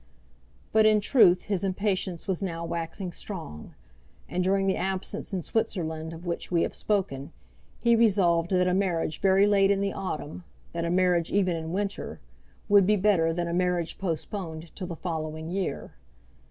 But in truth his impatience was now waxing strong, and during the absence in Switzerland of which we have spoken, he resolved that a marriage very late in the autumn, that a marriage even in winter, would be better than a marriage postponed till the following year.